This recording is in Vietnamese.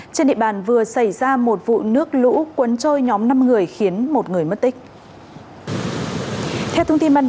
trên địa bàn vừa xảy ra một vụ nước lũ cuốn trôi nhóm năm người khiến một người mất tích